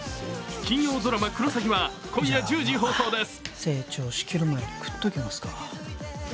金曜ドラマ「クロサギ」は今夜１０時放送です。